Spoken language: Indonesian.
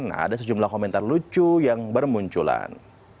nah ada sejumlah komentar lucu yang bermunculan